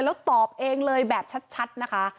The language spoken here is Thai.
แล้วตอบเองเลยแบบชัดนะคะ